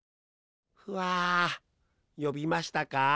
ふあよびましたか？